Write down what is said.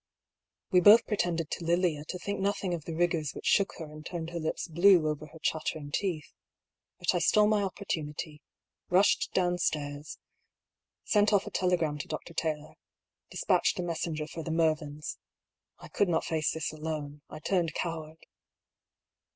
We both pretended to Lilia to think nothing of the rigours which shook her and turned her lips blue over her chattering teeth ; but I stole my opportunity, rushed downstairs, sent off a telegram to Dr. Taylor, despatched a messenger for the Mervyns. I could not face this alone : I turned coward.